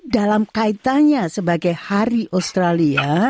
dalam kaitannya sebagai hari australia